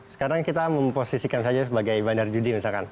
sekarang kita memposisikan saja sebagai bandar judi misalkan